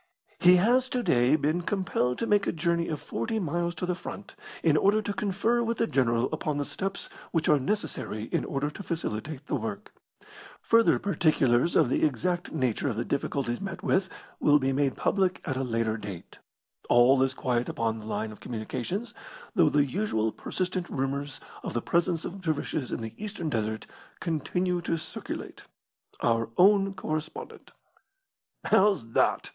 He has to day been compelled to make a journey of forty miles to the front, in order to confer with the general upon the steps which are necessary in order to facilitate the work. Further particulars of the exact nature of the difficulties met with will be made public at a later date. All is quiet upon the line of communications, though the usual persistent rumours of the presence of dervishes in the Eastern desert continue to circulate. Our own correspondent. "How's that?"